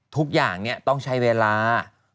ทุกอย่างต้องใช้เวลา